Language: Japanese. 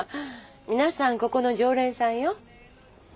皆さんここの常連さんよ。